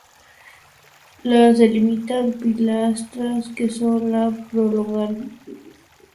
Las delimitan pilastras que son la prolongación de las del primer cuerpo.